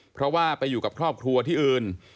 เพราะว่าไปอยู่กับครอบครัวที่อื่น